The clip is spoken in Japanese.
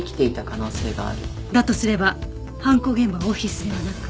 だとすれば犯行現場はオフィスではなく。